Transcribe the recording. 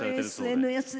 ＳＮＳ